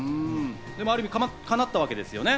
ある意味かなったわけですね。